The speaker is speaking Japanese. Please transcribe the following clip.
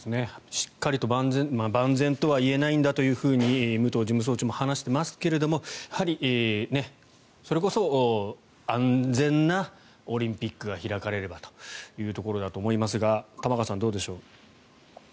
しっかりと万全とは言えないんだというふうに武藤事務総長も話してますがやはり、それこそ安全なオリンピックが開かれればというところだと思いますが玉川さん、どうでしょう。